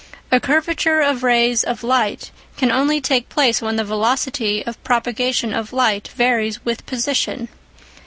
A curvature of rays of light can only take place when the velocity of propagation of light varies with position.